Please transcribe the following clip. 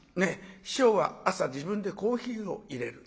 師匠は朝自分でコーヒーをいれる。